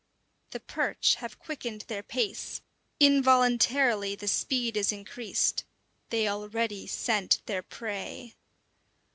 The perch have quickened their pace; involuntarily the speed is increased; they already scent their prey.